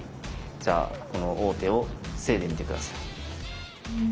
じゃあこの王手を防いでみて下さい。